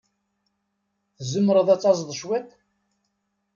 Tzemreḍ ad taẓeḍ cwiṭ?